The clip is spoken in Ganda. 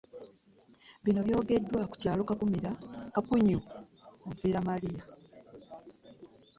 Bino byogeddwa ku kyalo Kakunyu-Villa Maria